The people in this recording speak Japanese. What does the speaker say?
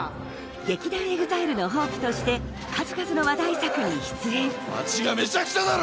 劇団ＥＸＩＬＥのホープとして数々の話題作に出演街がめちゃくちゃだろ！